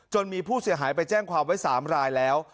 มีผู้เสียหายไปแจ้งความไว้๓รายแล้ว